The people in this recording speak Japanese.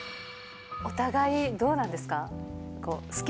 お互い、どうなんですか？